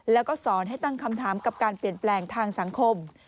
แล้วก็สอนให้ตั้งคำถามกับการเปลี่ยนแปลงทางสังคม